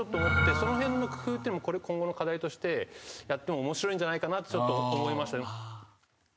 その辺の工夫っていうのも今後の課題としてやっても面白いんじゃないかなってちょっと思いました。